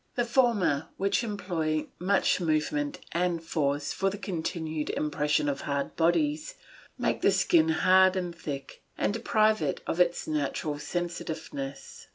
The former, which employ much movement and force for the continued impression of hard bodies, make the skin hard and thick, and deprive it of its natural sensitiveness.